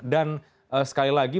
dan sekali lagi